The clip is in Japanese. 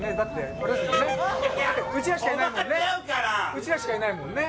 うちらしかいないもんね。